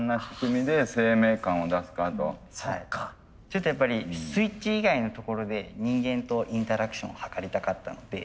ちょっとやっぱりスイッチ以外のところで人間とインタラクションを図りたかったので。